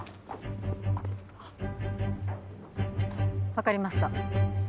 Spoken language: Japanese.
分かりました。